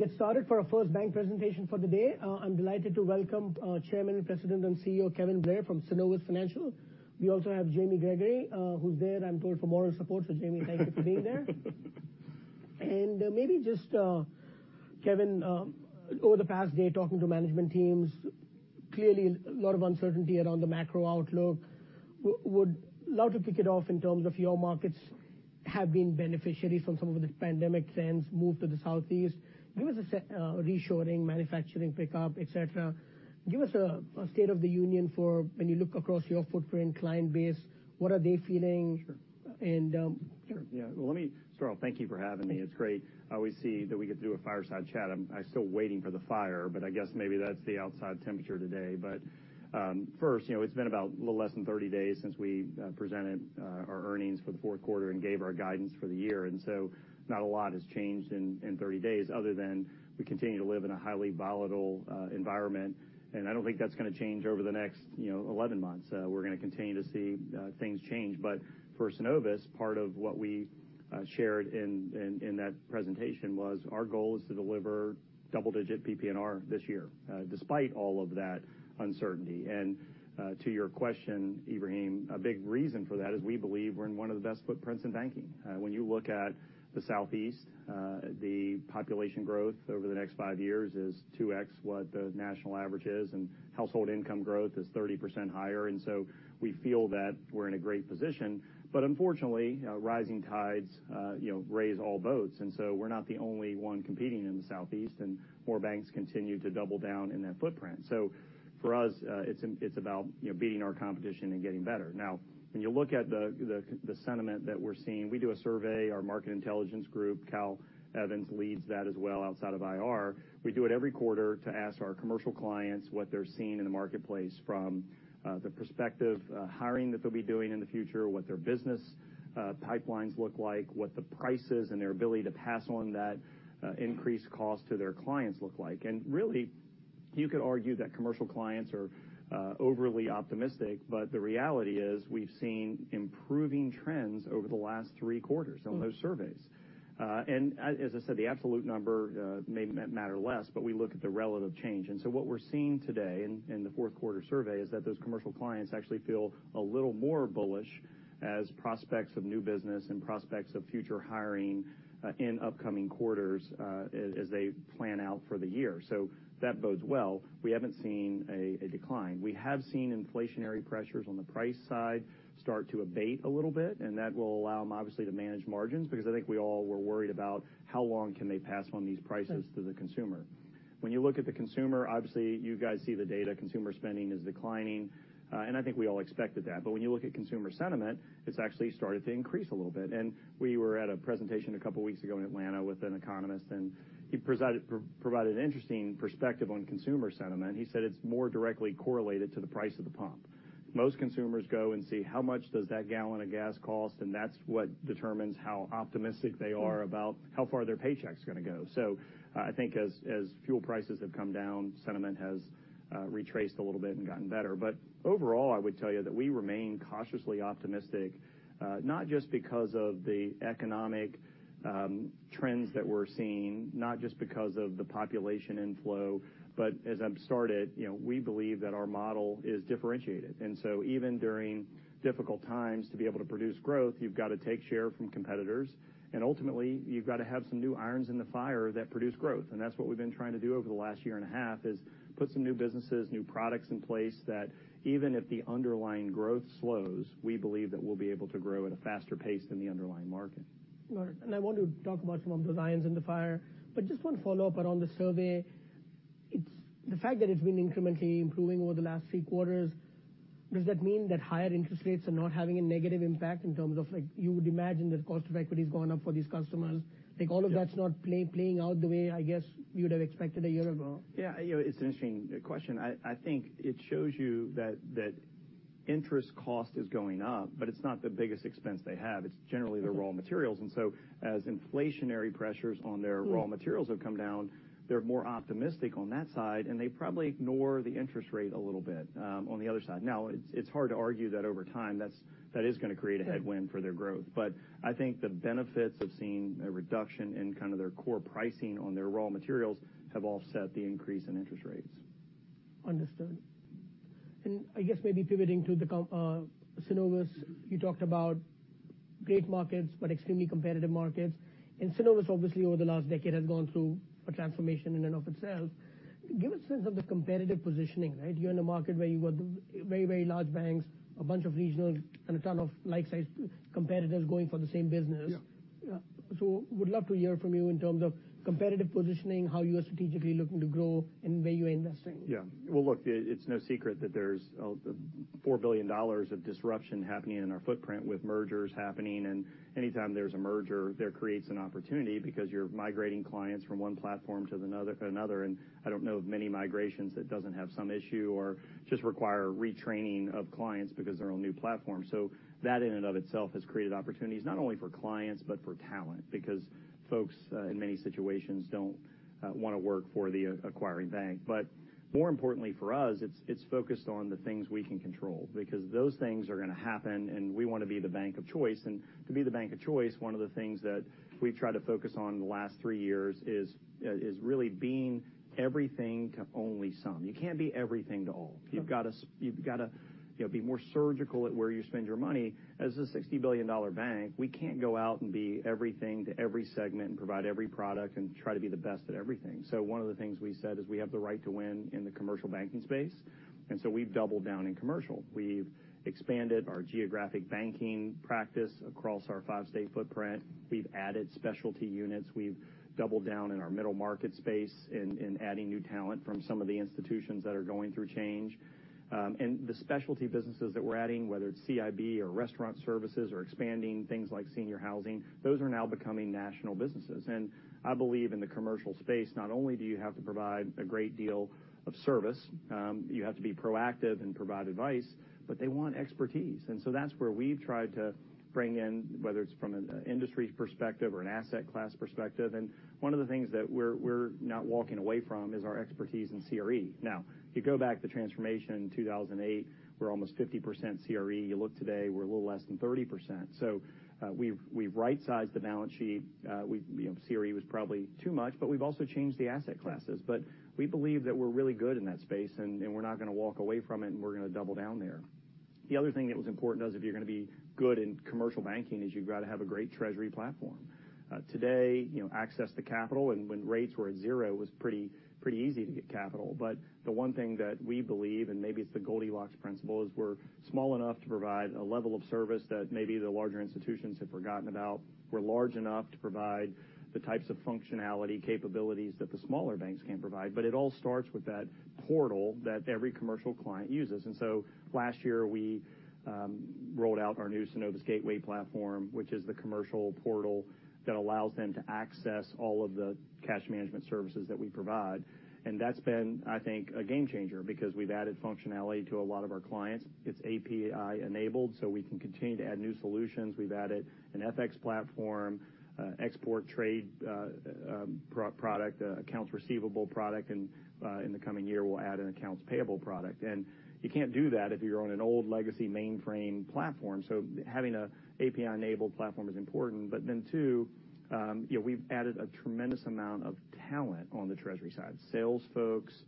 Go ahead and get started for our first bank presentation for the day. I'm delighted to welcome Chairman, President, and CEO Kevin Blair from Synovus Financial. We also have Jamie Gregory, who's there, I'm told, for moral support. Jamie, thank you for being there. Maybe just Kevin, over the past day talking to management teams, clearly a lot of uncertainty around the macro outlook. Would love to kick it off in terms of your markets have been beneficiaries from some of the pandemic trends, move to the southeast. Give us a reshoring, manufacturing pickup, et cetera. Give us a state of the union for when you look across your footprint, client base, what are they feeling? Sure. Sure. Yeah. Well, let me start. Thank you for having me. It's great. Always see that we get to do a fireside chat. I'm still waiting for the fire, but I guess maybe that's the outside temperature today. First, you know, it's been about a little less than thirty days since we presented our earnings for the fourth quarter and gave our guidance for the year. Not a lot has changed in thirty days other than we continue to live in a highly volatile environment. I don't think that's gonna change over the next, you know, eleven months. We're gonna continue to see things change. For Synovus, part of what we shared in that presentation was our goal is to deliver double-digit PPNR this year despite all of that uncertainty. To your question, Ebrahim, a big reason for that is we believe we're in one of the best footprints in banking. When you look at the Southeast, the population growth over the next five years is 2x what the national average is, and household income growth is 30% higher. We feel that we're in a great position. Unfortunately, rising tides,, raise all boats. We're not the only one competing in the Southeast, and more banks continue to double down in that footprint. For us, it's about, beating our competition and getting better. Now, when you look at the sentiment that we're seeing, we do a survey, our market intelligence group, Cal Evans leads that as well outside of IR. We do it every quarter to ask our commercial clients what they're seeing in the marketplace from the perspective hiring that they'll be doing in the future, what their business pipelines look like, what the prices and their ability to pass on that increased cost to their clients look like. Really, you could argue that commercial clients are overly optimistic, but the reality is we've seen improving trends over the last three quarters on those surveys. As I said, the absolute number may matter less, but we look at the relative change. What we're seeing today in the fourth quarter survey is that those commercial clients actually feel a little more bullish as prospects of new business and prospects of future hiring in upcoming quarters as they plan out for the year. That bodes well. We haven't seen a decline. We have seen inflationary pressures on the price side start to abate a little bit, and that will allow them, obviously, to manage margins, because I think we all were worried about how long can they pass on these prices to the consumer. When you look at the consumer, obviously, you guys see the data. Consumer spending is declining, and I think we all expected that. When you look at consumer sentiment, it's actually started to increase a little bit. We were at a presentation a couple weeks ago in Atlanta with an economist, and he provided an interesting perspective on consumer sentiment. He said it's more directly correlated to the price of the pump. Most consumers go and see how much does that gallon of gas cost, and that's what determines how optimistic they are about how far their paycheck's gonna go. I think as fuel prices have come down, sentiment has retraced a little bit and gotten better. Overall, I would tell you that we remain cautiously optimistic, not just because of the economic trends that we're seeing, not just because of the population inflow, but as I've started, you know, we believe that our model is differentiated. Even during difficult times, to be able to produce growth, you've got to take share from competitors. Ultimately, you've got to have some new irons in the fire that produce growth. That's what we've been trying to do over the last year and a half is put some new businesses, new products in place that even if the underlying growth slows, we believe that we'll be able to grow at a faster pace than the underlying market. Got it. I want to talk about some of those irons in the fire, but just one follow-up around the survey. It's, the fact that it's been incrementally improving over the last three quarters, does that mean that higher interest rates are not having a negative impact in terms of, like, you would imagine that cost of equity's gone up for these customers? Like all of that's not playing out the way, I guess, you would've expected a year ago? Yeah. You know, it's an interesting question. I think it shows you that interest cost is going up, but it's not the biggest expense they have. It's generally their raw materials. As inflationary pressures on their raw materials have come down, they're more optimistic on that side, and they probably ignore the interest rate a little bit on the other side. It's hard to argue that over time, that is gonna create a headwind for their growth. I think the benefits of seeing a reduction in kind of their core pricing on their raw materials have offset the increase in interest rates. Understood. I guess maybe pivoting to Synovus, you talked about great markets, but extremely competitive markets. Synovus obviously over the last decade has gone through a transformation in and of itself. Give a sense of the competitive positioning, right? You're in a market where you've got very, very large banks, a bunch of regional and a ton of like-sized competitors going for the same business. Yeah. Would love to hear from you in terms of competitive positioning, how you are strategically looking to grow, and where you're investing. Yeah. Well, look, it's no secret that there's $4 billion of disruption happening in our footprint with mergers happening. Anytime there's a merger, that creates an opportunity because you're migrating clients from one platform to another. I don't know of many migrations that doesn't have some issue or just require retraining of clients because they're on new platforms. That in and of itself has created opportunities not only for clients but for talent, because folks in many situations don't wanna work for the acquiring bank. More importantly for us, it's focused on the things we can control because those things are gonna happen, and we wanna be the bank of choice. To be the bank of choice, one of the things that we've tried to focus on in the last three years is really being everything to only some. You can't be everything to all. Sure. You've gotta, you know, be more surgical at where you spend your money. As a $60 billion bank, we can't go out and be everything to every segment and provide every product and try to be the best at everything. One of the things we said is we have the right to win in the commercial banking space. We've doubled down in commercial. We've expanded our geographic banking practice across our five-state footprint. We've added specialty units. We've doubled down in our middle market space in adding new talent from some of the institutions that are going through change. The specialty businesses that we're adding, whether it's CIB or restaurant services or expanding things like senior housing, those are now becoming national businesses. I believe in the commercial space, not only do you have to provide a great deal of service, you have to be proactive and provide advice, but they want expertise. That's where we've tried to bring in, whether it's from an industry perspective or an asset class perspective. One of the things that we're not walking away from is our expertise in CRE. If you go back to transformation in 2008, we're almost 50% CRE. You look today, we're a little less than 30%. We've rightsized the balance sheet. We, you know, CRE was probably too much, but we've also changed the asset classes. We believe that we're really good in that space, and we're not gonna walk away from it, and we're gonna double down there. The other thing that was important to us if you're gonna be good in commercial banking is you've got to have a great treasury platform. Today, you know, access to capital and when rates were at zero, it was pretty easy to get capital. The one thing that we believe, and maybe it's the Goldilocks principle, is we're small enough to provide a level of service that maybe the larger institutions have forgotten about. We're large enough to provide the types of functionality capabilities that the smaller banks can't provide. It all starts with that portal that every commercial client uses. Last year, we rolled out our new Synovus Gateway platform, which is the commercial portal that allows them to access all of the cash management services that we provide. That's been, I think, a game changer because we've added functionality to a lot of our clients. It's API enabled, so we can continue to add new solutions. We've added an FX platform, export trade product, accounts receivable product, and in the coming year, we'll add an accounts payable product. You can't do that if you're on an old legacy mainframe platform. Having a API-enabled platform is important. Two, you know, we've added a tremendous amount of talent on the treasury side. Sales folks,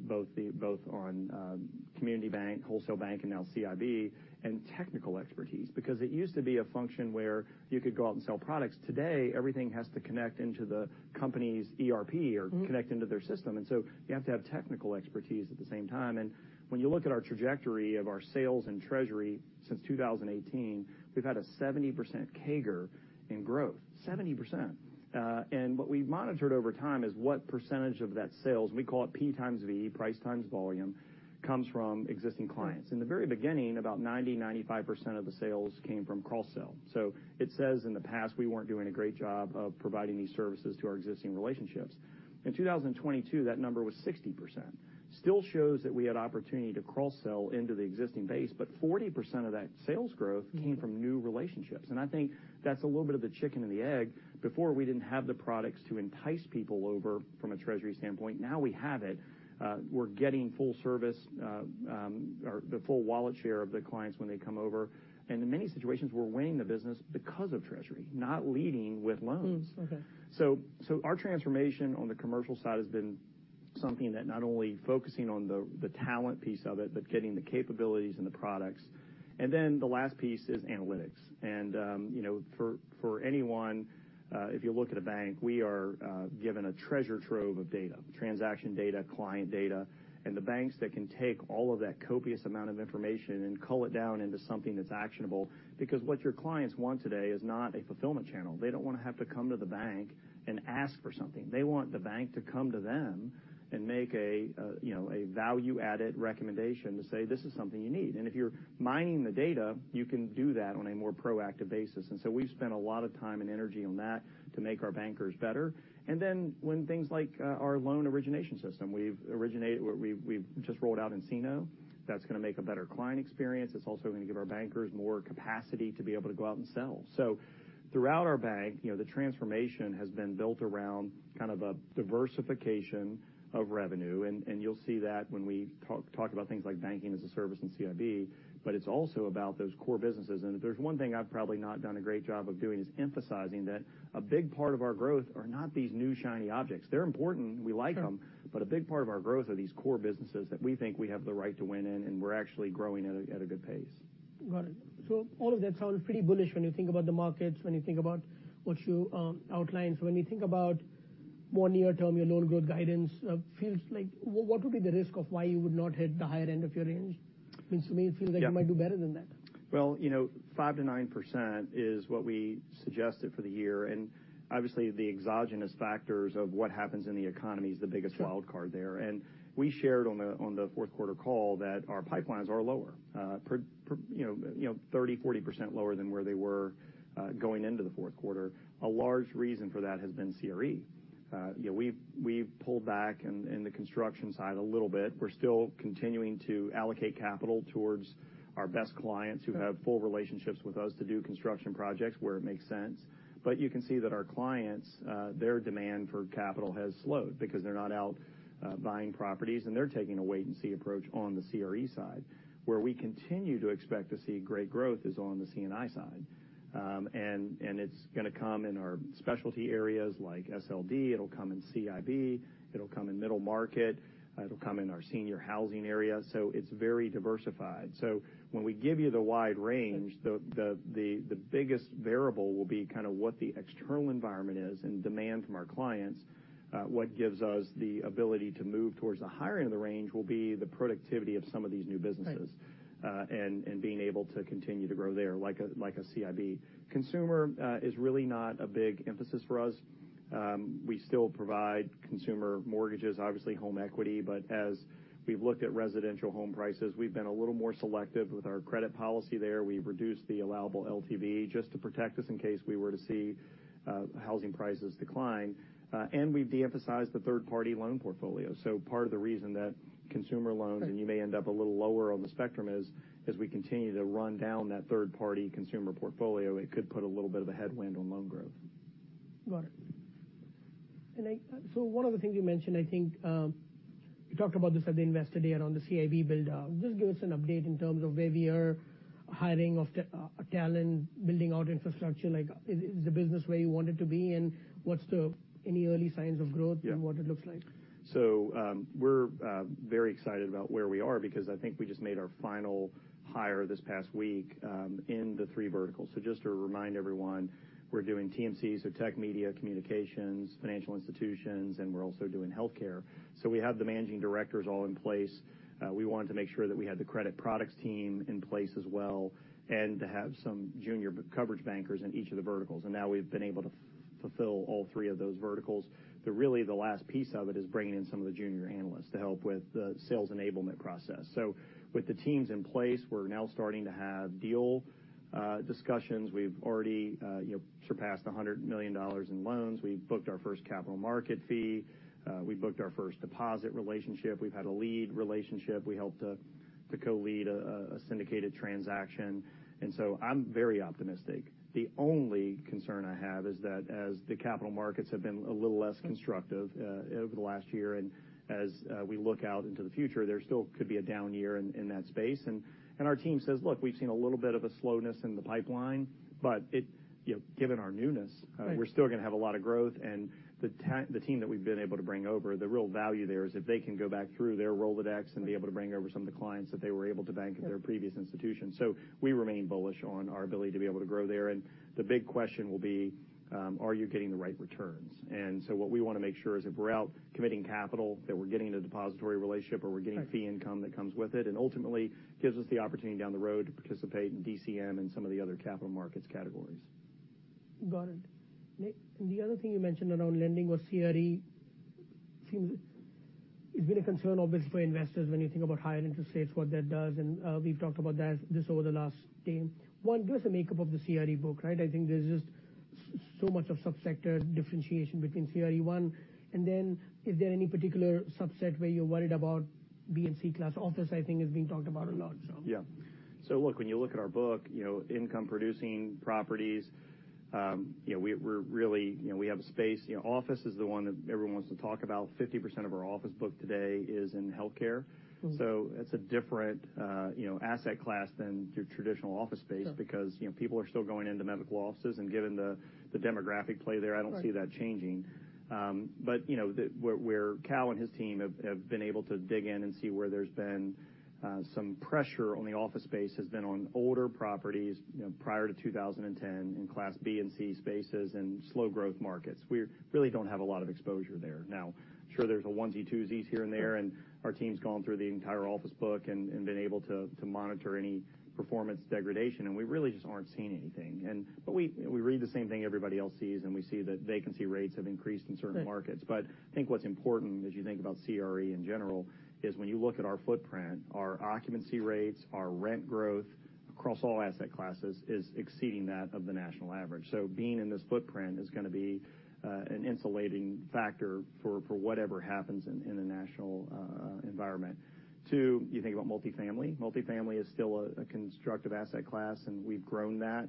both on community bank, wholesale bank, and now CIB, and technical expertise. It used to be a function where you could go out and sell products. Today, everything has to connect into the company's ERP. Mm-hmm. connect into their system. You have to have technical expertise at the same time. When you look at our trajectory of our sales and treasury since 2018, we've had a 70% CAGR in growth. 70%. What we've monitored over time is what percentage of that sales, we call it P times V, price times volume, comes from existing clients. Sure. In the very beginning, about 90%-95% of the sales came from cross-sell. It says in the past, we weren't doing a great job of providing these services to our existing relationships. In 2022, that number was 60%. Still shows that we had opportunity to cross-sell into the existing base, but 40% of that sales growth came from new relationships. I think that's a little bit of the chicken and the egg. Before, we didn't have the products to entice people over from a treasury standpoint. Now we have it. We're getting full service, or the full wallet share of the clients when they come over. In many situations, we're winning the business because of treasury, not leading with loans. Okay. Our transformation on the commercial side has been something that not only focusing on the talent piece of it, but getting the capabilities and the products. The last piece is analytics. You know, for anyone, if you look at a bank, we are given a treasure trove of data, transaction data, client data. The banks that can take all of that copious amount of information and cull it down into something that's actionable because what your clients want today is not a fulfillment channel. They don't wanna have to come to the bank and ask for something. They want the bank to come to them and make a value-added recommendation to say, "This is something you need." If you're mining the data, you can do that on a more proactive basis. We've spent a lot of time and energy on that to make our bankers better. Then when things like our loan origination system, we've originated, we've just rolled out nCino. That's gonna make a better client experience. It's also gonna give our bankers more capacity to be able to go out and sell. Throughout our bank, the transformation has been built around kind of a diversification of revenue, and you'll see that when we talk about things like banking as a service in CIB, but it's also about those core businesses. If there's one thing I've probably not done a great job of doing is emphasizing that a big part of our growth are not these new shiny objects. They're important, and we like them. Sure. A big part of our growth are these core businesses that we think we have the right to win in, and we're actually growing at a good pace. Got it. All of that sounds pretty bullish when you think about the markets, when you think about what you outlined. When you think about more near term, your loan growth guidance feels like what would be the risk of why you would not hit the higher end of your range? I mean, to me, it feels like. Yeah. you might do better than that. Well, you know, 5%-9% is what we suggested for the year. Obviously, the exogenous factors of what happens in the economy is the biggest wildcard there. Sure. We shared on the fourth quarter call that our pipelines are lower, 30%-40% lower than where they were going into the fourth quarter. A large reason for that has been CRE. We've pulled back in the construction side a little bit. We're still continuing to allocate capital towards our best clients who have full relationships with us to do construction projects where it makes sense. You can see that our clients, their demand for capital has slowed because they're not out buying properties, and they're taking a wait and see approach on the CRE side. Where we continue to expect to see great growth is on the C&I side. It's gonna come in our specialty areas like SLD, it'll come in CIB, it'll come in middle market, it'll come in our senior housing area. It's very diversified. When we give you the wide range, the biggest variable will be kinda what the external environment is and demand from our clients. What gives us the ability to move towards the higher end of the range will be the productivity of some of these new businesses. Right. Being able to continue to grow there, like a CIB. Consumer is really not a big emphasis for us. We still provide consumer mortgages, obviously home equity. As we've looked at residential home prices, we've been a little more selective with our credit policy there. We've reduced the allowable LTV just to protect us in case we were to see housing prices decline. We've de-emphasized the third-party loan portfolio. Part of the reason that consumer loans- Right. You may end up a little lower on the spectrum is, as we continue to run down that third party consumer portfolio, it could put a little bit of a headwind on loan growth. Got it. So one of the things you mentioned, I think, you talked about this at the Investor Day around the CIB build out. Just give us an update in terms of where we are, hiring of talent, building out infrastructure. Like, is the business where you want it to be? What's the... any early signs of growth? Yeah. What it looks like? We're very excited about where we are because I think we just made our final hire this past week in the three verticals. Just to remind everyone, we're doing TMCs, so Technology, Media & Communications, financial institutions, and we're also doing healthcare. We have the managing directors all in place. We wanted to make sure that we had the credit products team in place as well, and to have some junior coverage bankers in each of the verticals. Now we've been able to fulfill all three of those verticals. The really, the last piece of it is bringing in some of the junior analysts to help with the sales enablement process. With the teams in place, we're now starting to have deal discussions. We've already, you know, surpassed $100 million in loans. We've booked our first capital market fee. We've booked our first deposit relationship. We've had a lead relationship. We helped to co-lead a syndicated transaction. So I'm very optimistic. The only concern I have is that as the capital markets have been a little less constructive over the last year, and as we look out into the future, there still could be a down year in that space. Our team says, "Look, we've seen a little bit of a slowness in the pipeline, but it, you know, given our newness- Right. we're still gonna have a lot of growth. The team that we've been able to bring over, the real value there is if they can go back through their Rolodex and be able to bring over some of the clients that they were able to bank at their previous institution. We remain bullish on our ability to be able to grow there. The big question will be, are you getting the right returns? What we wanna make sure is if we're out committing capital, that we're getting a depository relationship, or we're getting. Right. -fee income that comes with it, and ultimately gives us the opportunity down the road to participate in DCM and some of the other capital markets categories. Got it. Nick, The other thing you mentioned around lending was CRE. Seems it's been a concern obviously for investors when you think about higher interest rates, what that does, and, we've talked about that just over the last day. One, give us a makeup of the CRE book, right? I think there's just so much of subsector differentiation between CRE one. Then is there any particular subset where you're worried about B and C class office, I think has been talked about a lot, so. Yeah. Look, when you look at our book, you know, income producing properties we're really, we have a space. You know, office is the one that everyone wants to talk about. 50% of our office book today is in healthcare. Mm-hmm. It's a different, you know, asset class than your traditional office space. Sure. You know, people are still going into medical offices, and given the demographic play there. Right. I don't see that changing. You know, the, where Cal and his team have been able to dig in and see where there's been some pressure on the office space has been on older properties, prior to 2010 in Class B and C spaces and slow growth markets. We really don't have a lot of exposure there. Now, sure, there's a onesie, twosies here and there, and our team's gone through the entire office book and been able to monitor any performance degradation, and we really just aren't seeing anything. We read the same thing everybody else sees, and we see that vacancy rates have increased in certain markets. Right. I think what's important as you think about CRE in general is when you look at our footprint, our occupancy rates, our rent growth across all asset classes is exceeding that of the national average. Being in this footprint is gonna be an insulating factor for whatever happens in a national environment. Two, you think about multifamily. Multifamily is still a constructive asset class, and we've grown that.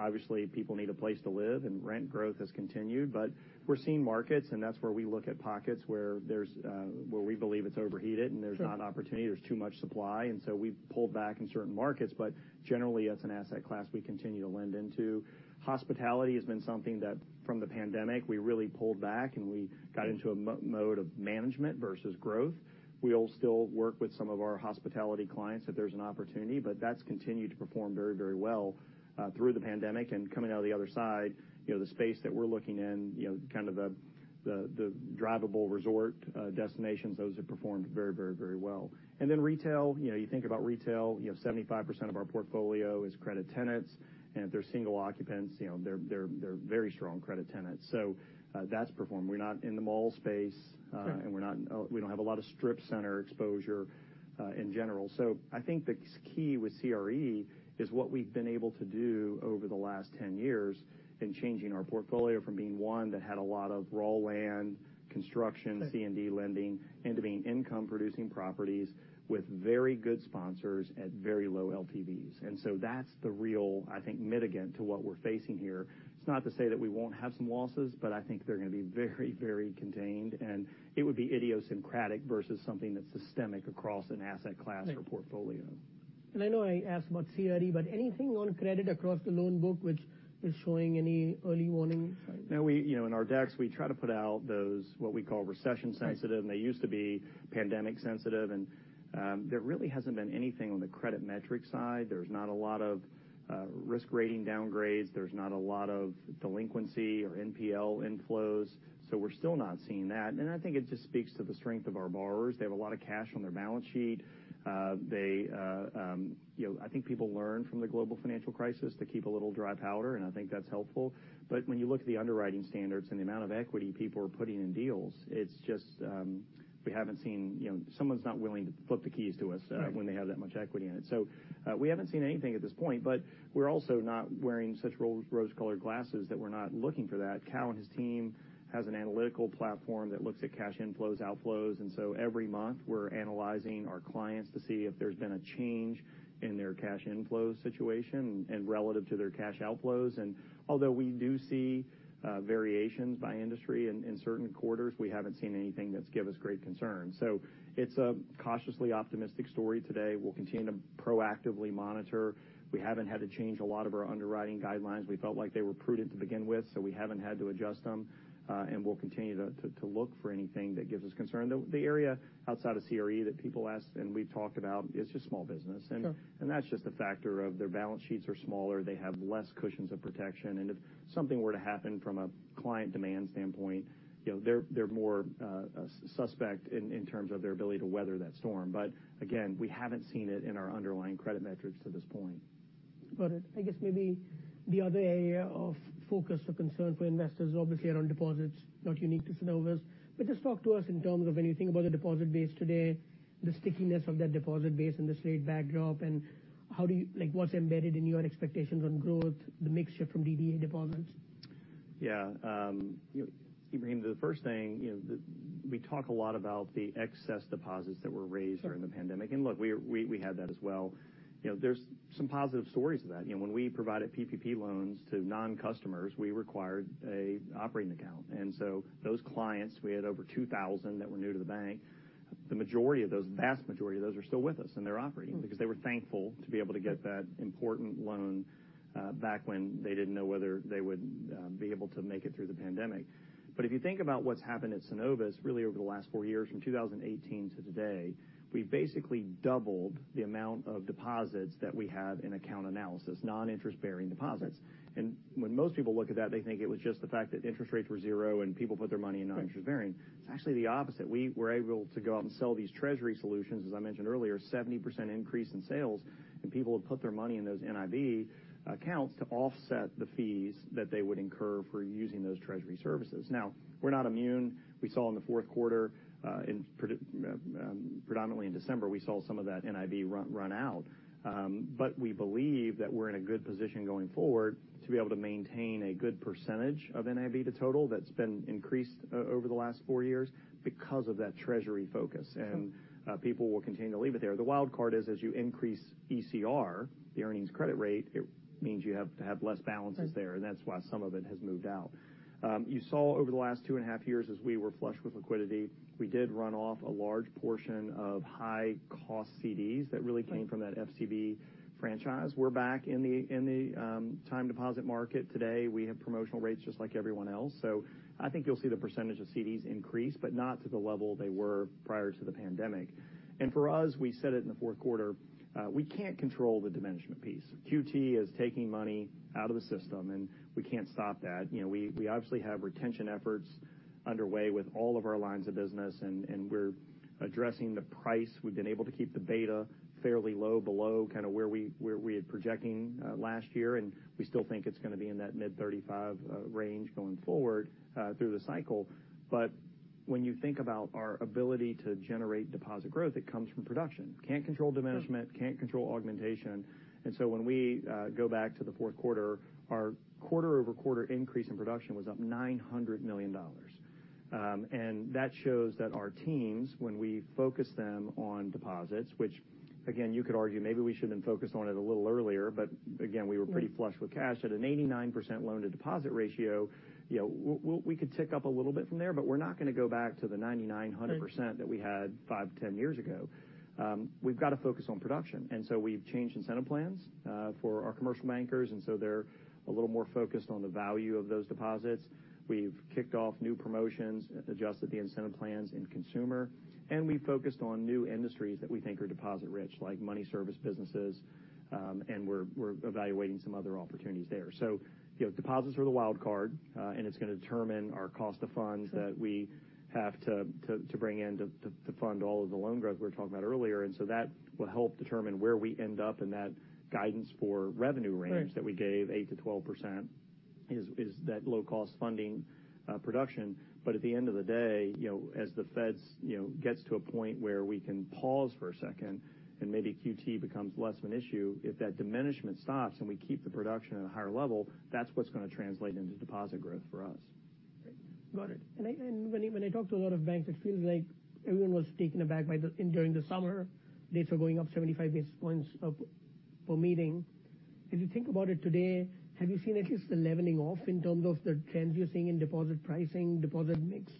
Obviously people need a place to live and rent growth has continued, but we're seeing markets and that's where we look at pockets where there's where we believe it's overheated, and there's not opportunity. Sure. There's too much supply, we've pulled back in certain markets. Generally, as an asset class, we continue to lend into. Hospitality has been something that from the pandemic, we really pulled back and we got into a mode of management versus growth. We'll still work with some of our hospitality clients if there's an opportunity, but that's continued to perform very, very well through the pandemic. Coming out of the other side the space that we're looking in, kind of the, the drivable resort destinations, those have performed very, very, very well. Retail, you think about retail, 75% of our portfolio is credit tenants. If they're single occupants, they're very strong credit tenants. That's performed. We're not in the mall space. Sure. We're not in, we don't have a lot of strip center exposure, in general. I think the key with CRE is what we've been able to do over the last ten- years in changing our portfolio from being one that had a lot of raw land. Right. C&D lending into being income producing properties with very good sponsors at very low LTVs. That's the real, I think, mitigant to what we're facing here. It's not to say that we won't have some losses, but I think they're gonna be very contained, and it would be idiosyncratic versus something that's systemic across an asset class or portfolio. I know I asked about CRE, but anything on credit across the loan book which is showing any early warning signs? No, You know, in our decks, we try to put out those what we call recession sensitive. Right. They used to be pandemic sensitive, and there really hasn't been anything on the credit metric side. There's not a lot of risk rating downgrades. There's not a lot of delinquency or NPL inflows. We're still not seeing that. I think it just speaks to the strength of our borrowers. They have a lot of cash on their balance sheet. They, you know, I think people learn from the global financial crisis to keep a little dry powder, and I think that's helpful. When you look at the underwriting standards and the amount of equity people are putting in deals, it's just, we haven't seen, someone's not willing to flip the keys to us. Right ...when they have that much equity in it. We haven't seen anything at this point, but we're also not wearing such rose-colored glasses that we're not looking for that. Cal and his team has an analytical platform that looks at cash inflows, outflows. Every month, we're analyzing our clients to see if there's been a change in their cash inflows situation and relative to their cash outflows. Although we do see variations by industry in certain quarters, we haven't seen anything that's give us great concern. It's a cautiously optimistic story today. We'll continue to proactively monitor. We haven't had to change a lot of our underwriting guidelines. We felt like they were prudent to begin with, so we haven't had to adjust them. We'll continue to look for anything that gives us concern. The area outside of CRE that people ask and we've talked about is just small business. Sure. That's just a factor of their balance sheets are smaller. They have less cushions of protection. If something were to happen from a client demand standpoint, you know, they're more suspect in terms of their ability to weather that storm. Again, we haven't seen it in our underlying credit metrics to this point. Got it. I guess maybe the other area of focus or concern for investors obviously around deposits, not unique to Synovus. Just talk to us in terms of when you think about the deposit base today, the stickiness of that deposit base in this rate backdrop, and like, what's embedded in your expectations on growth, the mixture from DDA deposits? Yeah. you know, Ebrahim, the first thing, we talk a lot about the excess deposits that were raised- Sure During the pandemic. Look, we had that as well. You know, there's some positive stories of that. You know, when we provided PPP loans to non-customers, we required a operating account. So those clients, we had over 2,000 that were new to the bank. The majority of those, vast majority of those are still with us, and they're operating because they were thankful to be able to get that important loan back when they didn't know whether they would be able to make it through the pandemic. If you think about what's happened at Synovus really over the last four years from 2018 to today, we've basically doubled the amount of deposits that we have in account analysis, non-interest-bearing deposits. When most people look at that, they think it was just the fact that interest rates were zero and people put their money in non-interest bearing. It's actually the opposite. We were able to go out and sell these treasury solutions, as I mentioned earlier, 70% increase in sales, and people would put their money in those NIB accounts to offset the fees that they would incur for using those treasury services. Now, we're not immune. We saw in the fourth quarter, predominantly in December, we saw some of that NIB run out. We believe that we're in a good position going forward to be able to maintain a good percentage of NIB to total that's been increased over the last four years because of that treasury focus. Sure. People will continue to leave it there. The wild card is as you increase ECR, the earnings credit rate, it means you have to have less balances there. Right. That's why some of it has moved out. You saw over the last two and half years as we were flush with liquidity, we did run off a large portion of high cost CDs that really came from that FCB franchise. We're back in the time deposit market today. We have promotional rates just like everyone else. I think you'll see the percentage of CDs increase, but not to the level they were prior to the pandemic. For us, we said it in the fourth quarter, we can't control the diminishment piece. QT is taking money out of the system, and we can't stop that. You know, we obviously have retention efforts underway with all of our lines of business, and we're addressing the price. We've been able to keep the beta fairly low below kinda where we had projecting, last year. We still think it's gonna be in that mid-35, range going forward, through the cycle. When you think about our ability to generate deposit growth, it comes from production. Can't control diminishment. Sure. Can't control augmentation. When we go back to the fourth quarter, our quarter-over-quarter increase in production was up $900 million. That shows that our teams, when we focus them on deposits, which again, you could argue maybe we should've been focused on it a little earlier, again. Yeah We were pretty flush with cash. At an 89% loan to deposit ratio, you know, we could tick up a little bit from there, but we're not gonna go back to the 99%, 100% that we had five to ten years ago. We've got to focus on production. We've changed incentive plans for our commercial bankers, and so they're a little more focused on the value of those deposits. We've kicked off new promotions, adjusted the incentive plans in consumer, and we focused on new industries that we think are deposit rich, like money service businesses, and we're evaluating some other opportunities there. You know, deposits are the wild card, and it's gonna determine our cost of funds that we have to bring in to fund all of the loan growth we were talking about earlier. That will help determine where we end up in that guidance for revenue range. Right that we gave, 8%-12%, is that low cost funding production. At the end of the day, as the Feds, you know, gets to a point where we can pause for a second and maybe QT becomes less of an issue, if that diminishment stops and we keep the production at a higher level, that's what's gonna translate into deposit growth for us. Great. Got it. I, when I talk to a lot of banks, it feels like everyone was taken aback by the during the summer, rates were going up 75 basis points up per meeting. If you think about it today, have you seen at least a leveling off in terms of the trends you're seeing in deposit pricing, deposit mix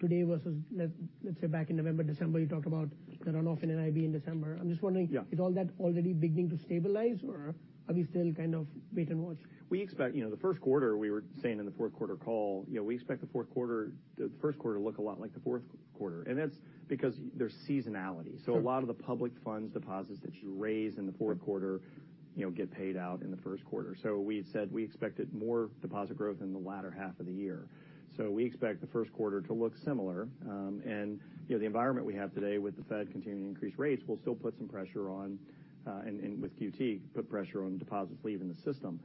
today versus let's say back in November, December? You talked about the runoff in NIB in December. Yeah. I'm just wondering, is all that already beginning to stabilize, or are we still kind of wait and watch? We expect, you know, the first quarter, we were saying in the fourth quarter call, you know, we expect the first quarter to look a lot like the fourth quarter. That's because there's seasonality. Sure. A lot of the public funds deposits that you raise in the fourth quarter, you know, get paid out in the first quarter. We had said we expected more deposit growth in the latter half of the year. We expect the first quarter to look similar. You know, the environment we have today with the Fed continuing to increase rates will still put some pressure on, and with QT, put pressure on deposits leaving the system.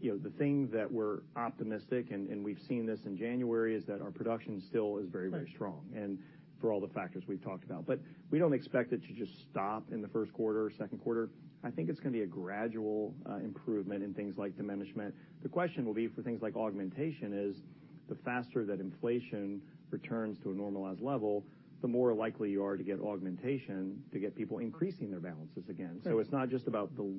You know, the thing that we're optimistic, and we've seen this in January, is that our production still is very strong. Right. For all the factors we've talked about. We don't expect it to just stop in the first quarter or second quarter. I think it's gonna be a gradual improvement in things like diminishment. The question will be for things like augmentation is the faster that inflation returns to a normalized level, the more likely you are to get augmentation to get people increasing their balances again. Right. It's not just about the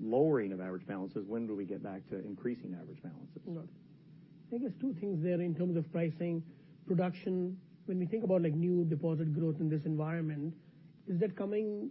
lowering of average balances. When do we get back to increasing average balances? Right. I guess two things there in terms of pricing, production. When we think about like new deposit growth in this environment, is that coming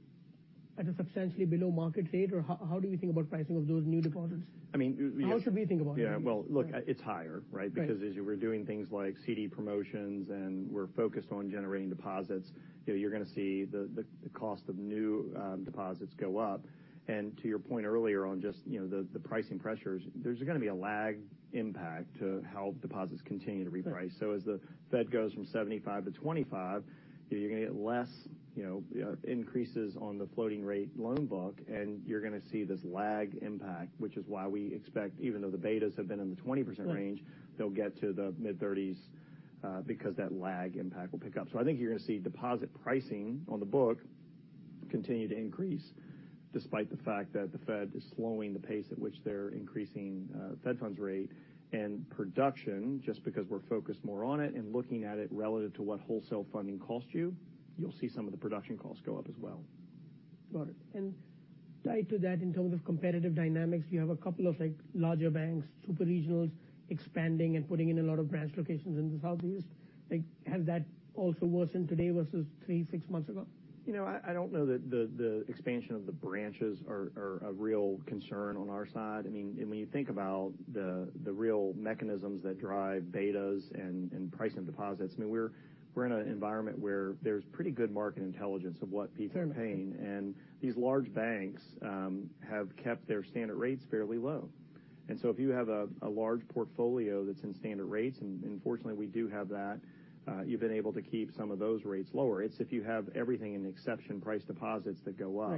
at a substantially below market rate? Or how do we think about pricing of those new deposits? I mean- How should we think about it? Yeah. Well, look, it's higher, right? Right. Because as you were doing things like CD promotions, and we're focused on generating deposits, you know, you're gonna see the cost of new deposits go up. To your point earlier on just, you know, the pricing pressures, there's gonna be a lag impact to how deposits continue to reprice. Right. As the Fed goes from 75 to 25, you're gonna get less, you know, increases on the floating rate loan book, and you're gonna see this lag impact, which is why we expect even though the betas have been in the 20% range... Right... they'll get to the mid-thirties because that lag impact will pick up. I think you're gonna see deposit pricing on the book continue to increase despite the fact that the Fed is slowing the pace at which they're increasing Fed funds rate. Production, just because we're focused more on it and looking at it relative to what wholesale funding costs you'll see some of the production costs go up as well. Got it. Tied to that in terms of competitive dynamics, you have a couple of like larger banks, super regionals expanding and putting in a lot of branch locations in the Southeast. Like, has that also worsened today versus three, six months ago? You know, I don't know that the expansion of the branches are a real concern on our side. I mean, when you think about the real mechanisms that drive betas and pricing deposits, I mean, we're in an environment where there's pretty good market intelligence of what people are paying. Sure. These large banks have kept their standard rates fairly low. If you have a large portfolio that's in standard rates, and unfortunately we do have that, you've been able to keep some of those rates lower. It's if you have everything in exception price deposits that go up.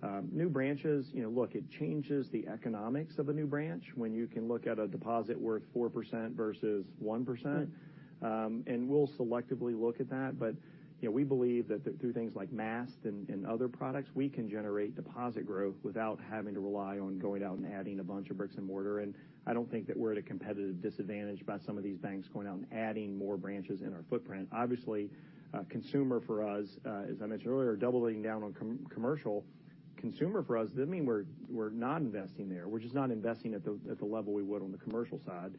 Right. New branches, you know, look, it changes the economics of a new branch when you can look at a deposit worth 4% versus 1%. Right. We'll selectively look at that. You know, we believe that through things like Maast and other products, we can generate deposit growth without having to rely on going out and adding a bunch of bricks and mortar in. I don't think that we're at a competitive disadvantage by some of these banks going out and adding more branches in our footprint. Obviously, consumer for us, as I mentioned earlier, doubling down on commercial. Consumer for us doesn't mean we're not investing there. We're just not investing at the level we would on the commercial side.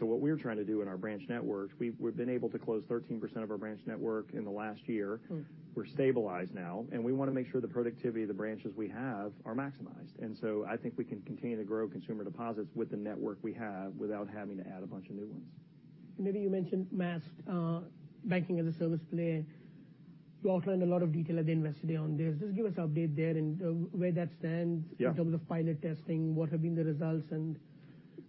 What we're trying to do in our branch network, we've been able to close 13% of our branch network in the last year. Mm. We're stabilized now. We wanna make sure the productivity of the branches we have are maximized. I think we can continue to grow consumer deposits with the network we have without having to add a bunch of new ones. Maybe you mentioned Maast, banking as a service player. You outlined a lot of detail at the Investor Day on this. Just give us update there and where that stands? Yeah... in terms of pilot testing, what have been the results and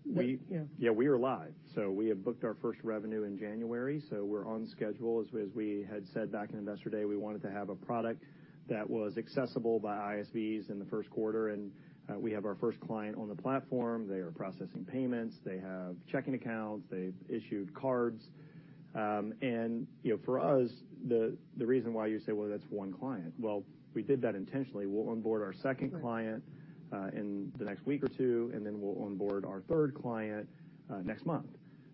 what? We- Yeah. Yeah, we are live. We have booked our first revenue in January, so we're on schedule. As we had said back in Investor Day, we wanted to have a product that was accessible by ISVs in the first quarter. We have our first client on the platform. They are processing payments. They have checking accounts. They've issued cards. You know, for us, the reason why you say, "Well, that's one client." Well, we did that intentionally. We'll onboard our second client- Right... in the next week or two, we'll onboard our third client next month.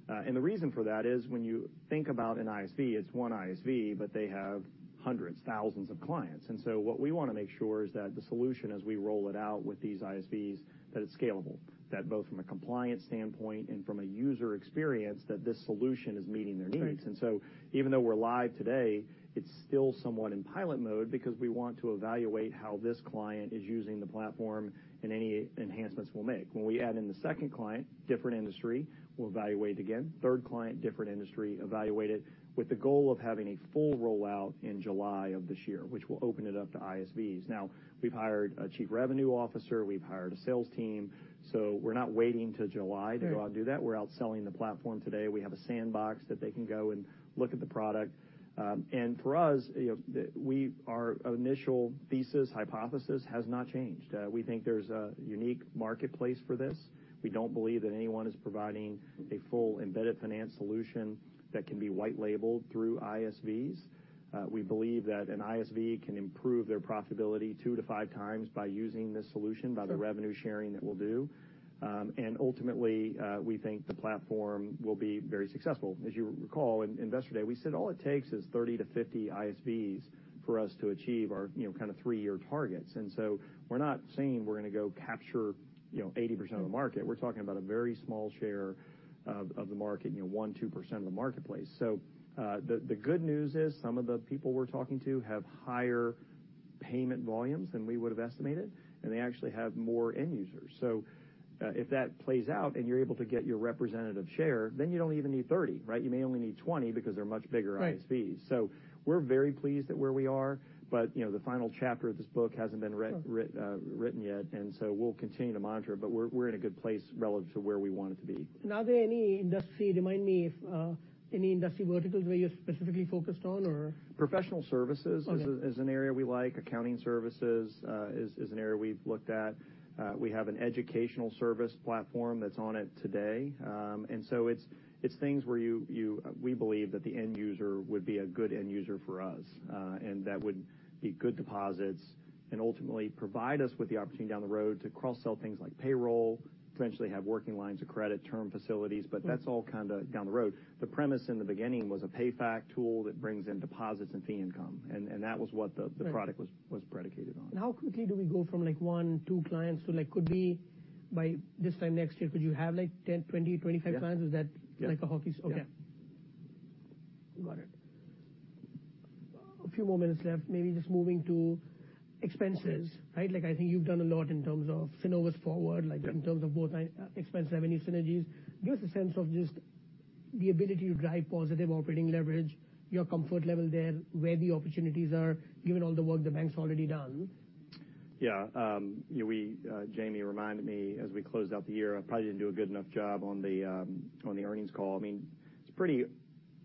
The reason for that is when you think about an ISV, it's 1 ISV, but they have hundreds, thousands of clients. What we wanna make sure is that the solution as we roll it out with these ISVs, that it's scalable, that both from a compliance standpoint and from a user experience, that this solution is meeting their needs. Right. Even though we're live today, it's still somewhat in pilot mode because we want to evaluate how this client is using the platform and any enhancements we'll make. When we add in the second client, different industry, we'll evaluate again. Third client, different industry, evaluate it with the goal of having a full rollout in July of this year, which will open it up to ISVs. We've hired a chief revenue officer. We've hired a sales team. We're not waiting till July to go out and do that. Right. We're out selling the platform today. We have a sandbox that they can go and look at the product. For us, you know, our initial thesis hypothesis has not changed. We think there's a unique marketplace for this. We don't believe that anyone is providing a full embedded finance solution that can be white labeled through ISVs. We believe that an ISV can improve their profitability 2x-5x by using this solution. Sure by the revenue sharing that we'll do. Ultimately, we think the platform will be very successful. As you recall in Investor Day, we said all it takes is 30-50 ISVs for us to achieve our, you know, kind of three-year targets. We're not saying we're gonna go capture, you know, 80% of the market. We're talking about a very small share of the market, you know, 1%- 2% of the marketplace. The good news is some of the people we're talking to have higher payment volumes than we would've estimated, and they actually have more end users. If that plays out and you're able to get your representative share, then you don't even need 30, right? You may only need 20 because they're much bigger ISVs. Right. We're very pleased at where we are, but, you know, the final chapter of this book hasn't been written yet. We'll continue to monitor it, but we're in a good place relative to where we want it to be. Are there any industry, remind me if, any industry verticals where you're specifically focused on? Professional services is. Okay Is an area we like. Accounting services is an area we've looked at. We have an educational service platform that's on it today. It's things where you, we believe that the end user would be a good end user for us, and that would be good deposits and ultimately provide us with the opportunity down the road to cross-sell things like payroll, potentially have working lines of credit term facilities. Mm. That's all kind of down the road. The premise in the beginning was a PayFac tool that brings in deposits and fee income and. Right The product was predicated on. How quickly do we go from like one, two clients to like could be by this time next year, could you have like 10, 20, 25 clients? Yeah. Is that like a hockey-? Yeah. Okay. Got it. A few more minutes left. Maybe just moving to expenses. Okay. Right? Like I think you've done a lot in terms of Synovus Forward. Yeah. Like in terms of both, expense revenue synergies. Give us a sense of just the ability to drive positive operating leverage, your comfort level there, where the opportunities are, given all the work the bank's already done. Yeah. Yeah, we, Jamie Gregory reminded me as we closed out the year, I probably didn't do a good enough job on the earnings call. I mean, it's pretty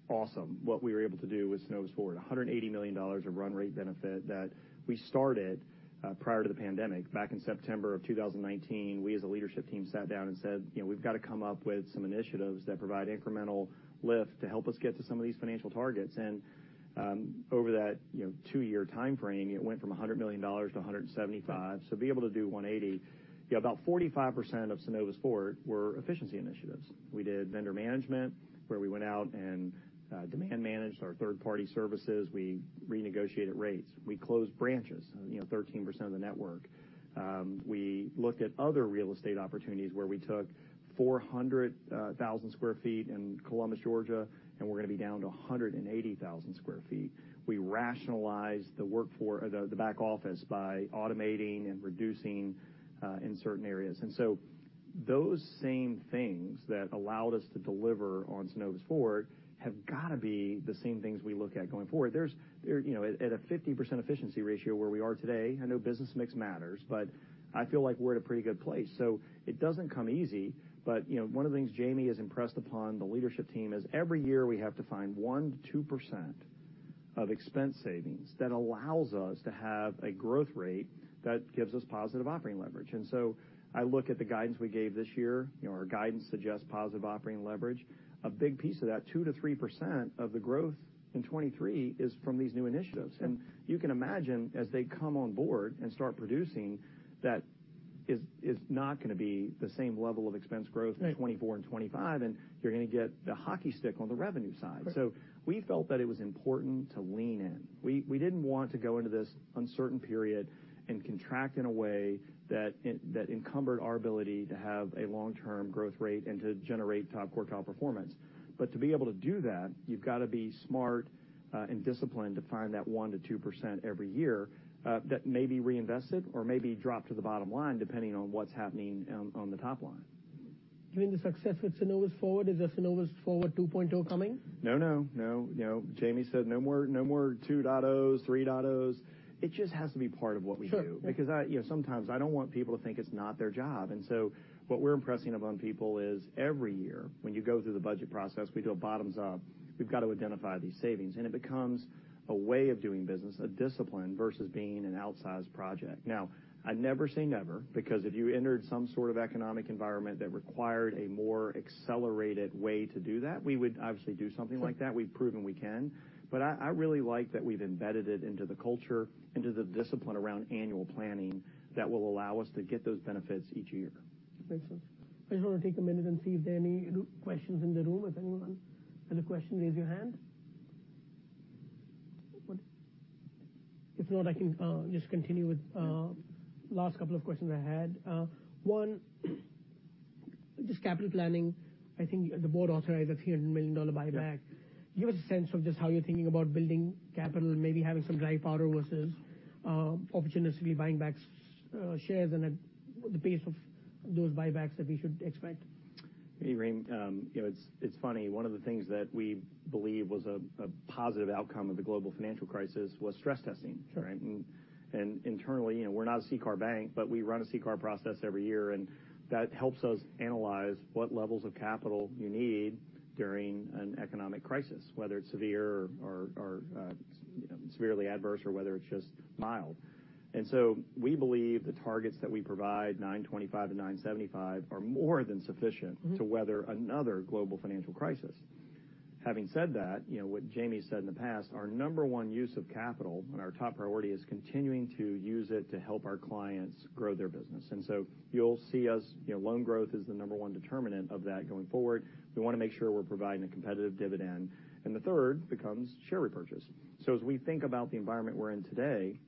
awesome what we were able to do with Synovus Forward. $180 million of run rate benefit that we started prior to the pandemic back in September of 2019. We as a leadership team sat down and said, "You know, we've gotta come up with some initiatives that provide incremental lift to help us get to some of these financial targets." Over that, you know, two-year timeframe, it went from $100 million to $175 million. To be able to do $180 million, you know, about 45% of Synovus Forward were efficiency initiatives. We did vendor management where we went out and demand managed our third party services. We renegotiated rates. We closed branches, you know, 13% of the network. We looked at other real estate opportunities where we took 400,000 sq ft in Columbus, Georgia, and we're gonna be down to 180,000 sq ft. We rationalized the workforce, the back office by automating and reducing in certain areas. Those same things that allowed us to deliver on Synovus Forward have gotta be the same things we look at going forward. There's, you know, at a 50% efficiency ratio where we are today, I know business mix matters, but I feel like we're at a pretty good place. It doesn't come easy. You know, one of the things Jamie has impressed upon the leadership team is every year we have to find 1%-2% of expense savings that allows us to have a growth rate that gives us positive operating leverage. I look at the guidance we gave this year, you know, our guidance suggests positive operating leverage. A big piece of that 2%-3% of the growth in 2023 is from these new initiatives. Yeah. You can imagine as they come on board and start producing that is not gonna be the same level of expense growth. Right In 2024 and 2025, and you're gonna get the hockey stick on the revenue side. Right. We felt that it was important to lean in. We didn't want to go into this uncertain period and contract in a way that encumbered our ability to have a long-term growth rate and to generate top quartile performance. To be able to do that, you've gotta be smart and disciplined to find that 1%-2% every year that may be reinvested or may be dropped to the bottom line depending on what's happening on the top line. Given the success with Synovus Forward, is a Synovus Forward 2.0 coming? No, no. No. You know, Jamie said no more, no more 2.0s, 3.0s. It just has to be part of what we do. Sure. Yeah. I, you know, sometimes I don't want people to think it's not their job. What we're impressing upon people is every year when you go through the budget process, we do a bottoms up, we've got to identify these savings, and it becomes a way of doing business, a discipline versus being an outsized project. I never say never because if you entered some sort of economic environment that required a more accelerated way to do that, we would obviously do something like that. Sure. We've proven we can. I really like that we've embedded it into the culture, into the discipline around annual planning that will allow us to get those benefits each year. Makes sense. I just wanna take a minute and see if there are any questions in the room. If anyone has a question, raise your hand. If not, I can just continue with. Yeah Last couple of questions I had. One, just capital planning. I think the board authorized a $300 million buyback. Yeah. Give us a sense of just how you're thinking about building capital and maybe having some dry powder versus, opportunistically buying back shares and the pace of those buybacks that we should expect. Hey, Ebrahim, you know, it's funny, one of the things that we believe was a positive outcome of the global financial crisis was stress testing, right? Sure. Internally, you know, we're not a CCAR bank, but we run a CCAR process every year, and that helps us analyze what levels of capital you need during an economic crisis, whether it's severe or, you know, severely adverse or whether it's just mild. We believe the targets that we provide, 925-975 are more than sufficient. Mm-hmm To weather another global financial crisis. Having said that, you know, what Jamie said in the past, our number one use of capital and our top priority is continuing to use it to help our clients grow their business. You'll see us, you know, loan growth is the number one determinant of that going forward. We wanna make sure we're providing a competitive dividend. The third becomes share repurchase. As we think about the environment we're in today.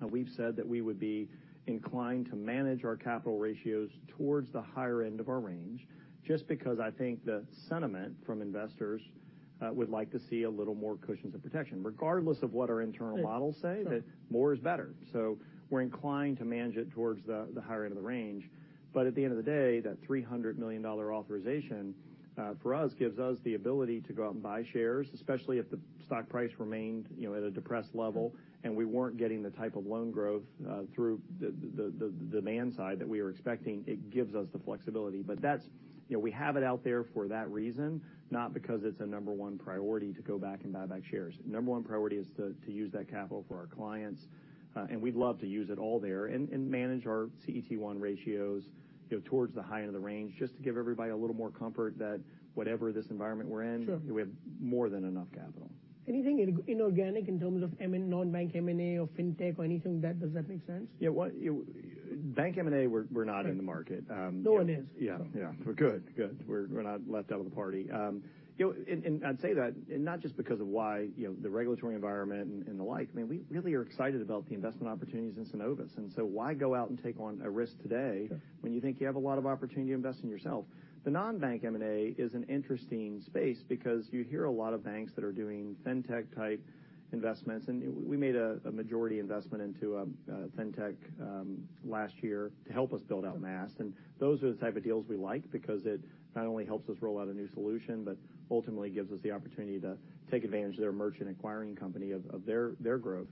Now we've said that we would be inclined to manage our capital ratios towards the higher end of our range, just because I think the sentiment from investors would like to see a little more cushions of protection. Regardless of what our internal models say. Sure. that more is better. We're inclined to manage it towards the higher end of the range. At the end of the day, that $300 million authorization for us, gives us the ability to go out and buy shares, especially if the stock price remained, you know, at a depressed level, and we weren't getting the type of loan growth through the demand side that we were expecting. It gives us the flexibility. That's, you know, we have it out there for that reason, not because it's a number one priority to go back and buy back shares. Number one priority is to use that capital for our clients, and we'd love to use it all there, and manage our CET1 ratios, you know, towards the high end of the range just to give everybody a little more comfort that whatever this environment we're in. Sure. We have more than enough capital. Anything inorganic in terms of M&A, non-bank M&A or fintech or anything that, does that make sense? Yeah, Bank M&A, we're not in the market. Yeah. No one is. Yeah. We're good. We're not left out of the party. You know, and I'd say that, and not just because of why, you know, the regulatory environment and the like. I mean, we really are excited about the investment opportunities in Synovus. So why go out and take on a risk today. Sure. When you think you have a lot of opportunity to invest in yourself? The non-bank M&A is an interesting space because you hear a lot of banks that are doing fintech-type investments. We made a majority investment into a fintech last year to help us build out Maast. Those are the type of deals we like because it not only helps us roll out a new solution, but ultimately gives us the opportunity to take advantage of their merchant acquiring company of their growth.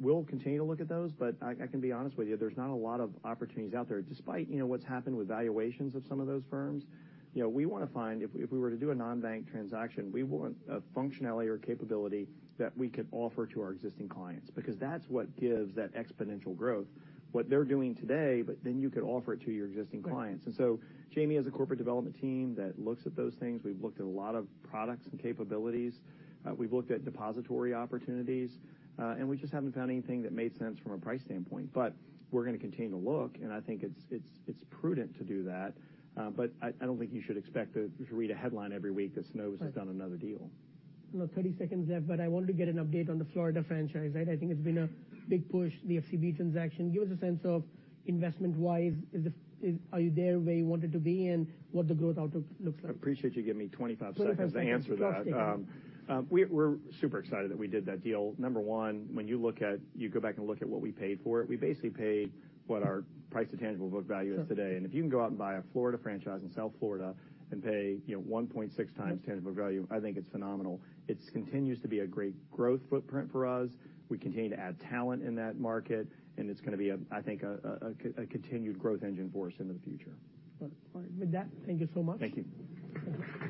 We'll continue to look at those, but I can be honest with you, there's not a lot of opportunities out there. Despite, you know, what's happened with valuations of some of those firms, you know, we wanna find, if we were to do a non-bank transaction, we want a functionality or capability that we could offer to our existing clients because that's what gives that exponential growth, what they're doing today, but then you could offer it to your existing clients. Right. Jamie has a corporate development team that looks at those things. We've looked at a lot of products and capabilities. We've looked at depository opportunities, and we just haven't found anything that made sense from a price standpoint. We're gonna continue to look, and I think it's, it's prudent to do that. I don't think you should expect to read a headline every week that Synovus- Right. Has done another deal. About thirty seconds left, I want to get an update on the Florida franchise. I think it's been a big push, the FCB transaction. Give us a sense of, investment-wise, Is, are you there where you wanted to be, and what the growth outlook looks like? I appreciate you giving me twenty-five seconds. 25 seconds. -to answer that. We're super excited that we did that deal. Number one, when you look at, you go back and look at what we paid for it, we basically paid what our price to tangible book value is today. Sure. If you can go out and buy a Florida franchise in South Florida and pay, you know, 1.6x tangible value, I think it's phenomenal. It's continues to be a great growth footprint for us. We continue to add talent in that market, and it's gonna be a, I think a continued growth engine for us into the future. Well, all right. With that, thank you so much. Thank you.